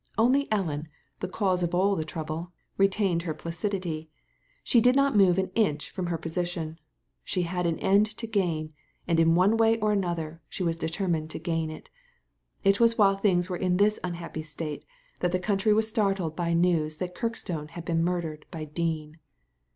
Only Ellen, the cause of all the trouble, retained her placidity. She did not move an inch from hel^ position. She had an end to gain, and in one way or another she was determined to gain it It was while things were in this unhappy state that the country was startled by the news that Kirkstone had been murdered by Dean.